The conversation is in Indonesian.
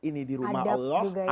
ini di rumah allah